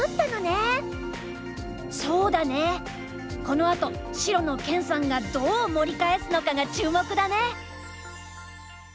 このあと白の研さんがどう盛り返すのかが注目だね。